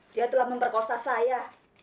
dia telah memperkosa saya